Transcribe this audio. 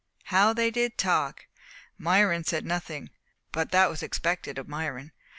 How they did talk! Myron said nothing (but that was expected of Myron).